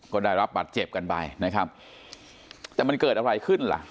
ก็ได้รับบัตรเจ็บกันไปนะครับแต่มันเกิดอะไรขึ้นล่ะ